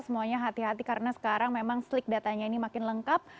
semuanya hati hati karena sekarang memang slik datanya ini makin lengkap